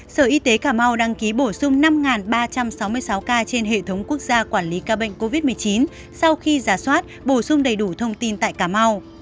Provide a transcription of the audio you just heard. hai mươi bảy một hai nghìn hai mươi hai sở y tế cà mau đăng ký bổ sung năm ba trăm sáu mươi sáu ca trên hệ thống quốc gia quản lý ca bệnh covid một mươi chín sau khi giả soát bổ sung đầy đủ thông tin tại cà mau